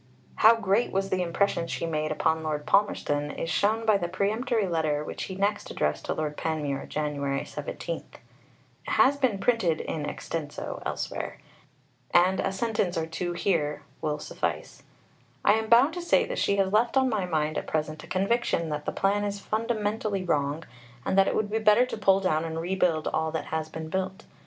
How great was the impression she made upon Lord Palmerston is shown by the peremptory letter which he next addressed to Lord Panmure (Jan. 17). It has been printed in extenso elsewhere; and a sentence or two will here suffice. "I am bound to say she has left on my mind at present a conviction that the plan is fundamentally wrong, and that it would be better to pull down and rebuild all that has been built.